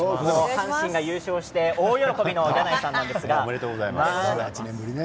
阪神が優勝して大喜びの柳井さんです。